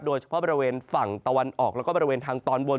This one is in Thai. โดยเฉพาะบริเวณฝั่งตะวันออกแล้วก็บริเวณทางตอนบน